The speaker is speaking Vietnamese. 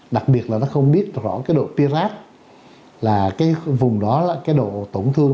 đặc biệt là nó không biết rõ cái độ pirat là cái vùng đó là cái độ tổn thương